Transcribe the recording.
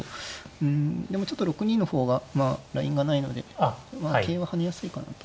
うんでもちょっと６二の方がまあラインがないので桂は跳ねやすいかなと。